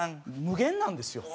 無限なんですよ。